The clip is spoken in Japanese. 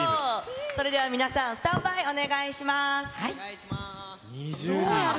それでは皆さん、スタンバイお願いします。